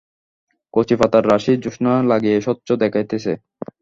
কচি পাতার রাশি জ্যোৎস্না লাগিয়া স্বচ্ছ দেখাইতেছে।